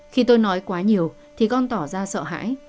khi tôi nói quá nhiều thì con tỏ ra sợ hãi